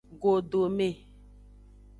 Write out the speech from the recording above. Godome.